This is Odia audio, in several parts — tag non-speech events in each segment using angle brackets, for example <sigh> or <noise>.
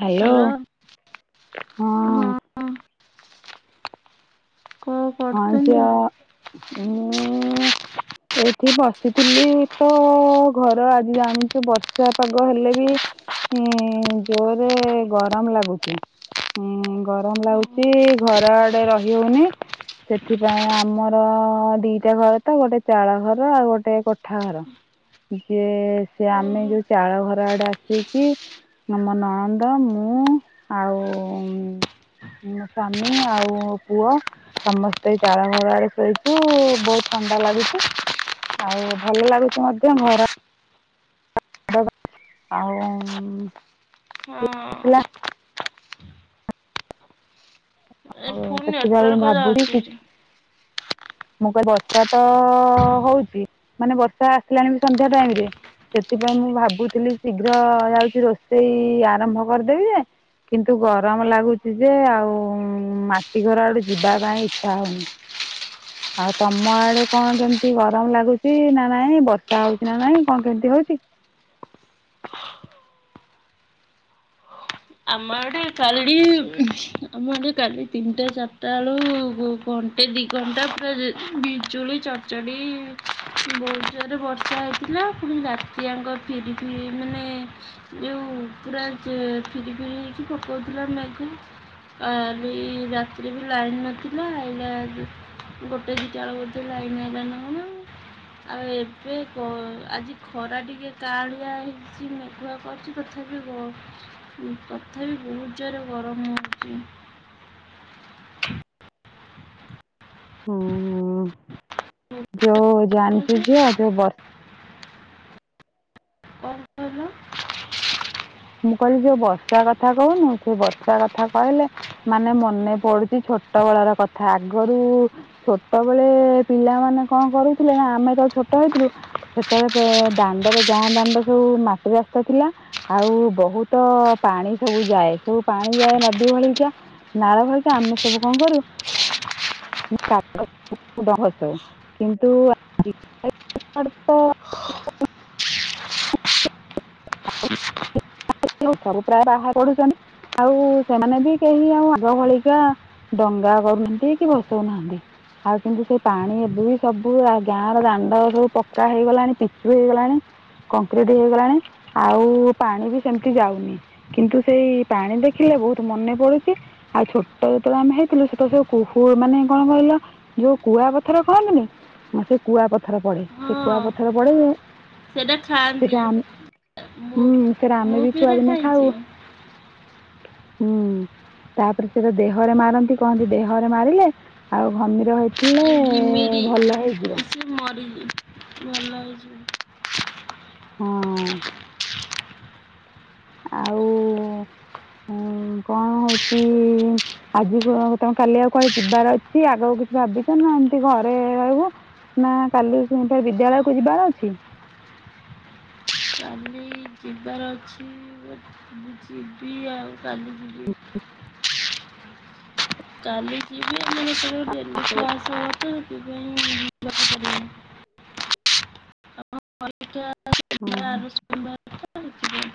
Hello hello. ହଁ। କଣ ହଁ କରୁଛନ୍ତି? <unintelligible> ଉଁ <unintelligible> ଏଠି ବସିଥିଲି ତ ଘର ଆଜି ଜାଣିଛୁ ବର୍ଷା ପାଗ ହେଲେ ବି ହୁଁ ଜୋରେ ଗରମ ଲାଗୁଚି। ହୁଁ ଗରମ ଲାଗୁଚି ଘର ଆଡ଼େ ରହି ହଉନି। ସେଥିପାଇଁ ଆମର ଦିଟା ଘର ତ ଗୋଟେ ଚାଳ ଘର ଆଉ ଗୋଟେ କୋଠା ଘର। ଯେ ସେ ଆମେ ଓହୋ ଯୋଉ ଚାଳ ଘର ଆଡ଼େ ଆସିକି ମୋ ନଣନ୍ଦ ମୁଁ ଆଉ ମୋ ସ୍ବାମୀ ଆଉ ପୁଅ ସମ ଏଇ ଚାଳଘର ଆଡ଼େ ଶୋଇଛୁ ବହୁତ୍ ଥଣ୍ଡା ଲାଗୁଛି। ଆଉ ଭଲ ଲାଗୁଛି ମଧ୍ୟ ଘର ଆଉ ହଁ <unintelligible> ଏ ହଉ ଫୁଲ୍ ସେଥିପାଇଁ ନେଟୱାର୍କ ଭାବୁ ଯାଉଛି <unintelligible> ଏଠି। ମୁଁ କହିଲି ବର୍ଷା ତ ହଉଛି ମାନେ ବର୍ଷା ଆସିଲାଣି ବି ସନ୍ଧ୍ୟା ଟାଇମ୍ ରେ ସେଥିପାଇଁ ମୁଁ ଭାବୁଥିଲି ଶୀଘ୍ର ଯାଉଚି ରୋଷେଇ ଆରମ୍ଭ କରିଦେବି ଯେ କିନ୍ତୁ ଗରମ ଲାଗୁଛି ଯେ ଆଉ ମାଟି ଘର ଆଡୁ଼ ଯିବା ପାଇଁ ଇଚ୍ଛା ହଉନି। ଆଉ ତମ ଆଡ଼େ କଣ କେମିତି ଗରମ ଲାଗୁଚି ନା ନାଇଁ ବର୍ଷା ହଉଛି ନା ନାଇଁ କଣ କେମିତି ହଉଚି? ହ <inaudible> ଆମ ଆଡ଼େ କାଲି ଆମ ଆଡ଼େ କାଲି ତିନିଟା ଚାରିଟା ବେଳୁ କଣ ସେ ଦି ଘଣ୍ଟା ପୁରା ବିଜୁଳି ଚଡ଼ଚଡି଼ ବହୁତ୍ ଜୋରରେ ବର୍ଷା ହେଇଥିଲା ପୁଣି ରାତିଆଙ୍କ ଫିରି ଫିରି ମାନେ ଯୋଉ ପୁରା ଫିରି ଫିରି ହେଇକି ପକଉଥିଲା ମେଘ କାଲି ରାତିରେ ବି ଲାଇନ୍ ନଥିଲା ଏଇନା ଗୋଟେ ଦିଟା ବେଳକୁ ବୋଧେ ଲାଇନ୍ ଆଇଲା ନା କଣ ଆଉ ଏବେ ଗ ଆଜି ଖରା ଟିକେ କାଁଳିଆ ହେଇଛି ମେଘୁଆ <unintelligible> ତଥାପି ତଥାପି ବହୁତ୍ ଜୋରେ ଗରମ ହଉଛି। ହୁଁ ହୁଁ। ଯୋଉ ଜାଣିଚୁ ହେଉଛି ଝିଅ ଯୋଉ ବ କ'ଣ କହିଲ ମୁଁ କହିଲି ଯୋଉ ବର୍ଷା କଥା କହୁନୁ ସେ ବର୍ଷା କଥା କହିଲେ ମାନେ ମନେ ପଡୁଛି ଛୋ ଛୋଟବେଳ ର କଥା ଆଗରୁ ଛୋଟବେଳେ ପିଲାମାନେ କଣ କରୁଥିଲେ ନା ଆମେ ତ ଛୋଟ ହେଇଥିଲୁ। ସେତେବେଳେ ଦାଣ୍ଡରେ ଗାଁ ଦାଣ୍ଡ ସବୁ ମାଟି ରାସ୍ତା ଥିଲା। ଆଉ ବହୁତ ପାଣି ସବୁ ଯାଏ। ସବୁ ପାଣି ଯାଏ ନଦୀ ଭଳିିକା। ନାଳ ଭଳିକା ଆମ ଆମେ ସବୁ କଣ କରୁ <unintelligible> <unintelligible> କିନ୍ତୁ ତ <unintelligible> <unintelligible> ସବୁ ପ୍ରାୟ ବାହାର ପଢୁଛନ୍ତି। ଆଉ ସେମାନେ ବି କେହି ଆଉ ଆଗ ଭଳିକା ଡଙ୍ଗା କରୁନାହାନ୍ତି କି ଭସଉ ନାହାନ୍ତି। ଆଉ କିନ୍ତୁ ସେଇ ପାଣି ଏବେ ବି ସବୁ ଗାଁ ର ଦାଣ୍ଡରୁ ସବୁ ପକ୍କା ହେଇଗଲାଣି ପିଚୁ ହେଇଗଲାଣି। କଂକ୍ରିଟି ହେଇଗଲାଣି। ଆଉ ପାଣି ବି ସେମିତି ଯାଉନି କିନ୍ତୁ ସେଇ ପାଣି ଦେଖିଲେ ବହୁତ ମନେ ପଡୁଛି। ଆଉ ଛୋଟ ଯେତେବେଳେ ଆମେ ହେଇଥିଲୁ ସେଟ ସବୁ କୁ ମାନେ କଣ କହିଲ ଯୋଉ କୁଆ ପଥର କହନ୍ତିନି। ମତେ କୁଆ ପଥର ପଡେ। ସେ କୁଆ ହଁ ପଥର ପଡେ। ସେଇଟା ଖାଆନ୍ତି। ସେଟା ହୁଁ ସେରା ଆମେ ବି ରେ ଛୁଆଦିନେ ଖାଉ ଖାଇଛି। ହୁଁ। ତାପରେ ସେଟା ଦେହରେ ମାରନ୍ତି। କହନ୍ତି ଦେହରେ ମାରିଲେ ଆଉ ଘମିର ହେଇଥିଲେ ଏ ଘିମିରି ଭଲ ହେଇଯିବ ଏସେ ମରିଯି ହଁ। ଆଉ କଣ ହଉଛି ଆଜି ତମେ କାଲି ଆଉ କୁଆଡେ ଯିବାର ଅଛି। ଆଗକୁ କିଛି ଭାବିଛ ନା ଏମତି ଘରେ ରହିବୁ। ନା କାଲି ସେ ବିଦ୍ୟାଳୟକୁ ଯିବାର ଅଛି। କାଲି ଯି ଅଛି ଯିବି ଆଉ କାଲି ଯିବି। କାଲି ଯିବି ଆମର ଡେଲି ଆଉ କ୍ଲାସ <unintelligible> ହଁ <unintelligible> ସେଥିପାଇଁ।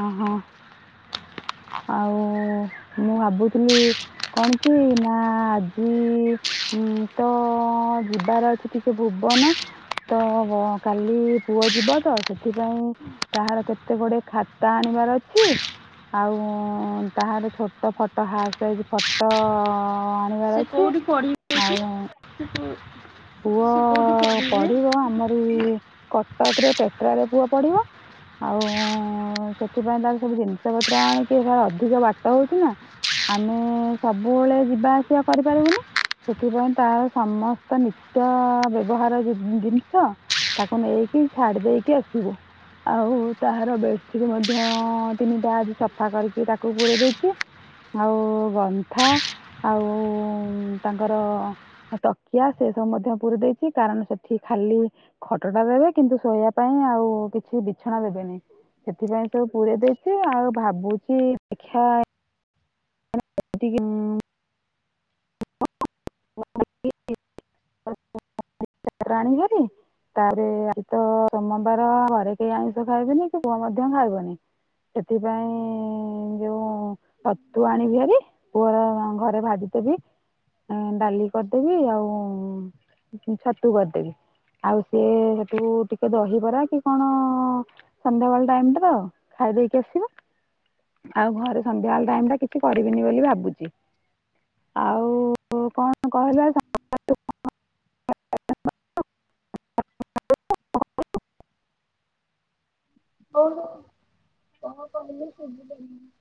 ଓ ହୋ। ଆଉ ମୁଁ ଭାବୁଥିଲି କଣ କି ନା ଆଜି ହୁଁ ତ ଯିବାର ଅଛି ଟିକେ ଭୁବନ। ତ କାଲି ପୁ ପୁଅ ଯିବ ତ ସେଥିପାଇଁ ତାହାର କେତେ ଗୁଡିଏ ଖାତା ଆଣିବାର ଅଛି। ଆଉ ତାହାର ଛୋଟ ଫଟୋ ହାଫ୍ ସାଇଜ୍ ଫଟୋ ଆଣି ଣିବାର ସେ ଅଛି। କୋଉଠି ପଢ଼ିବେ କି ଆଉ ସେ କୋଉ- ପୁଅ ସେ କୋଉଠି ପଢିବେ? ପଢିବ ଆମରି କଟକରେ ଟେଟ୍ରାରେ ପୁଅ ପଢିବ। ଆଉ ସେଥିପାଇଁ ତାର ସବୁ ଜିନିଷ ପତ୍ର ଆଣିକି ଅଧିକ ବାଟ ହଉଛି ନା। ଆମେ ସବୁବେଳେ ଯିବା ଆସିବା କରିପାରିବୁନି। ସେଥିପାଇଁ ତାର ସମସ୍ତ ନିତି ନିତ୍ୟ ବ୍ୟବହାର ଜି-ଜି-ଜିନିଷ ତାକୁ ନେଇକି ଛାଡି ଦେଇକି ଆସିବୁ। ଆଉ ତହାର ବେଡସିଟ୍ ମଧ୍ୟ ତିନିଟା ଆଜି ସଫା କରିକି ତାକୁ ପୁରେଇ ଦେଇଛି। ଆଉ ଗନ୍ଥା ଆଉ ତାଙ୍କର ତକିଆ ସେ ମଧ୍ୟ ପୁରୀ ଦେଇଛି। କାରଣ ସେଠି ଖାଲି ଖଟଟା ଦେବେ। କିନ୍ତୁ ଶୋଇବା ପାଇଁ ଆଉ କିଛି ବିଛଣା ଦେବେନି। ସେଥିପାଇଁ ସବୁ ପୁରେଇ ଦେଇଛି। ଆଉ ଭାବୁଛି ଦେଖା <unintelligible> ରାଣ ହେରି। ତାପରେ ଆଜି ତ ସୋମବାର ଘରେ କେହି ଆଇଁଷ ଖାଇବେନି। କି ପୁଅ ମଧ୍ୟ ଖାଇବନି। ସେଥିପାଇଁ ଯୋଉ ଛତୁଆ ଆଣିବି ହାରି ପୁଅର ଘରେ ଭାଜିଦେବି। ଡାଲି କରିଦେବି। ଆଉ ଛତୁ କରିଦେବି। ଆଉ ସିଏ ସେଠୁ ଟିକେ ଦହିବରା କି କଣ ସନ୍ଧ୍ୟାବେଳ ଟାଇମ୍ ଟାର ଖାଇ ଦେଇକି ଆସିବ। ଆଉ ଘରେ ସନ୍ଧ୍ୟା ବେଳ ଟାଇମ୍ ଟା କିଛି କରିବିନି ବୋଲି ଭାବୁଛି। ଆଉ କଣ କହିଲା <unintelligible> <inaudible> ହଉ ତା <unintelligible>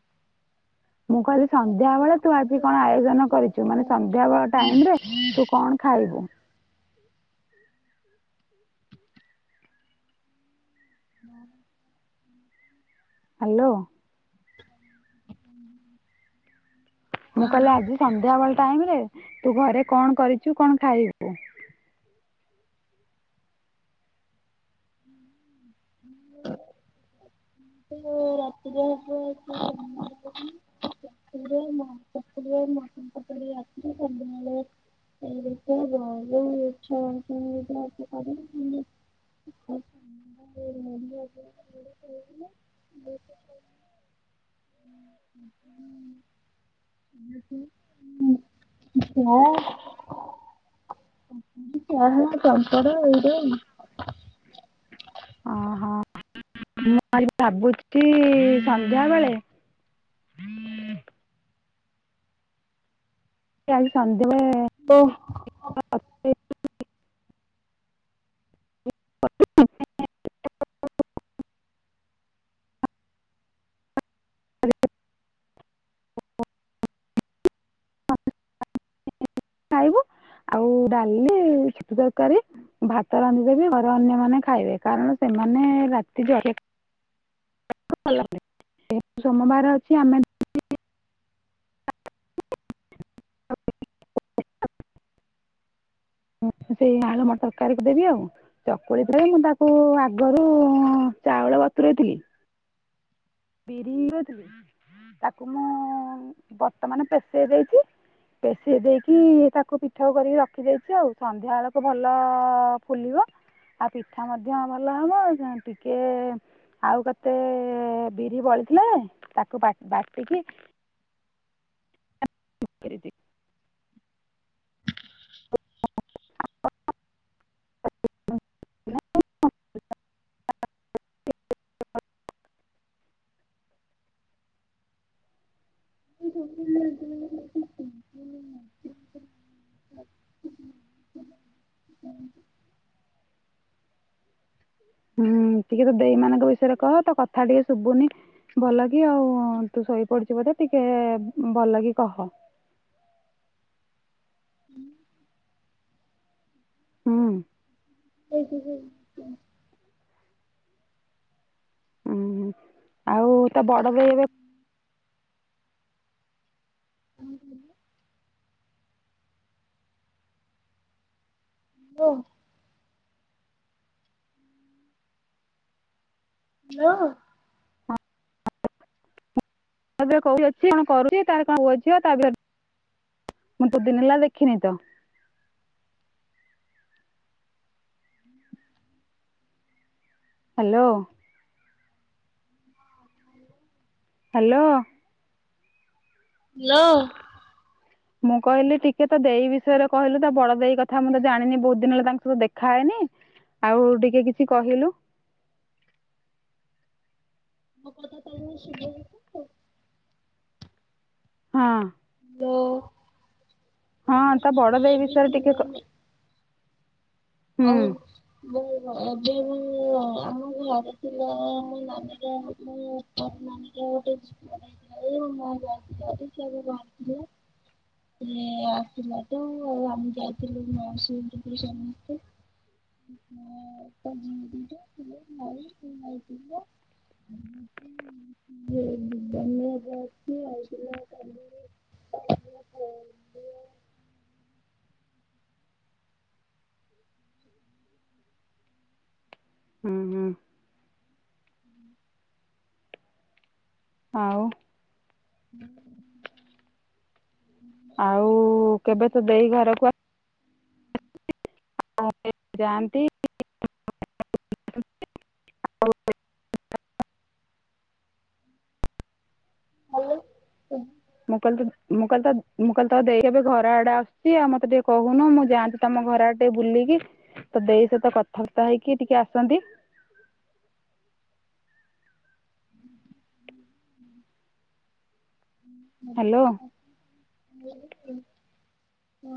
ମୁଁ କହିଲି ସନ୍ଧ୍ୟା ବେଳେ ତୁ ଆଜି କଣ ଆୟୋଜନ କରିଚୁ ମାନେ ସନ୍ଧ୍ୟା ବଳ ଟାଇମ ରେ ତୁ କଣ ଖାଇୁ ହ ହଁ। ହ୍ୟାଲୋ। ମୁଁ ଆଣ କହିଲି ଆଜି ସନ୍ଧ୍ୟାବେେଳେ ଟାଇମରେ ତୁ ଘରେ କଣ କରିଚୁ କଣ ଖାଇବୁ? ତ ରାତିରେ <unintelligible> ରେ <unintelligible> ଛା <unintelligible> ହଁ। <unintelligible> ଓହୋ ମୁଁ ଭାବୁଚି <unintelligible> ସନ୍ଧ୍ୟା ବେଳେ ହୁଁ। ସେ ଆଜି ଶ ତ ଆପ ରେ <unintelligible> ଖାଇବୁ। ଆଉ ଡାଲି ଛତୁ ତରକାରୀ ଭାତ ରାନ୍ଧିଦେବି ଘରେ ଅନ୍ୟମାନୋନ ଖାଇବେ, କାରଣ ସେ ମାନେ ରାତି ଯୋଉ ଭୁ ସୋମବାର ଅଛି ଆମେ <unintelligible> ହଁ ସେଇ ଆଳୁ ମ ତରକାରୀ କ ଦେବି ଆଉ ଚକୁଳି ରେ ମୁଁ ତାକୁ ଆଗରୁ ଚାଉଳ ବତୁରେଇଥିଲି ବିରି ତାକୁ ମୁଁ ବର୍ତ୍ତମାନ ପେସେଇ ଦେଇ ପେଶିଦେଇକି ତାକୁ ପିଠା କରିକି ରଖିଦେଇଚି ଆଉ ସନ୍ଧ୍ୟା ବେଳକୁ ଭଲ ଫୁଲିବ ଆଉ ପିଠା ମଧ୍ୟ ଭଲ ହବ, ଟିକେ ଆଉ କେତେ ବିରି ବଳିଥିଲେ ତାକୁ ବା ବାଟିକି <unintelligible> ଅ ଅ ଅ <unintelligible> ହ ହ ସେ ହୁଁ ଟିକେ ତ ଦେଇ ମାନଙ୍କ ବିଷୟରେ କହ ତ କଥା ଟିକେ ଶୁଭୁନି ଭଲ କି ଆଉ ତୁ ଶୋ ପଡିଛୁ ବୋଧେ ଟିକେ ଭଲ କି କହ। ହୁଁ ହଁ। ସେ ସେ ସେ ହୁଁ ହୁଁ ଆଉ ତ ବଡ ବି ଏବେ ଓ। ହାଲୋ। ତ ଏବେ କୋଉଠି ଅଛି କଣ କରୁଚି ତାର କଣ ପୁଅ ଝିଅ ତା ମୁଁ ତୁ ଦିନେ ହେଲା ଦେଖିନି ତ। ହ୍ୟାଲୋ। ହ୍ୟାଲୋ। ଲୋ! ମୁଁ କହିଲି ଟିକେ, ତ ଦେଇ ବିଷୟରେ କହିଲୁ? ତ ବଡ ଦେଇ କଥା ମୁଁ ତ ଜାଣିନି! ବହୁତ ଦିନ ହେଲା ତାଙ୍କସହ ଦେଖାହେଇନି। ଆଉ ଟିକେ କିଛି କହିଲୁ? ଏଇନେ ସୁଭୁଚି ତ? ହଁ। ତୋ ହଁ, ତା ବଡ ଦେଇ ବିଷୟରେ ଟିକେ କ ହୁଁ ଅଉ ମୁଁ ଏବେ, ମୁଁ ଆମ ଘରେ ଥିଲା, ମୋ ନାନୀର ମୁଁ ମୋ ନାନୀ ର ମୁଁ ଗୋଟେ <unintelligible> ମୋ ବସ୍ ରେ ସେ ଆସି ପହଁଚିଲେ। ସେ ଆସିଲା ତ! ଆଉ, ଆମେ ଯାଇଥିଲୁ ମାଉସୀ ଘରକୁ ସବୁ। ଚି, ମୋ ଅପା ଜିରୀରେ ଥିଲେ। ଭାଇ, ଭାଇ ଥିଲେ। ହଁ କୁହ? ଯେ ଭୁବନରେ ଅଛି, ଆଇଥିଲେ କାଲିରେ <inaudible> ହୁଁ, ହୁଁ। ହୁଁ। ଆଉ, <inaudible> ଆଉ କେବେ ତ ଦେଇ ଘରକୁ ଆ <inaudible> ହଁ ଯାଆନ୍ତି <inaudible> ଆଉ, <inaudible> ହାଲୋ! ସୁଭୁ ମୁଁ କହିଲି ତ! ମୁଁ କହିଲ ତ! ମୁଁ କହିଲଲି ତ! ଦେଇ ଏବେ ଘର ଆଡେ ଆସୁଛି। ଆଉ, ମତେ ଟିକେ କହୁନୁ, ମୁଁ ଯାଆନ୍ତି ତମ ଘର ଆଡେ ଟିକେ ବୁଲିକି ତୋ ଦେଇ ସହିତ କଥାବାର୍ତ୍ତା ହେଇକି ଟିକେ ଆସନ୍ତି। ହ୍ୟାଲୋ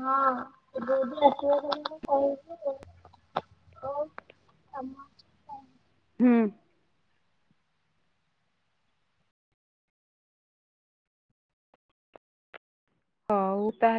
ହଁ, ଏ ବୋଡି ଆସିବ ଯଦି <unintelligible> ମୁଁ କହିଚି <unintelligible> ଓହୋ! କାମ ଅଛି କି କଣ? ହୁଁ। ହଉ, ତାହେଲେ